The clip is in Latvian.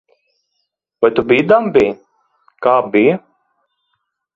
Vai tu biji dambī? Kā bija?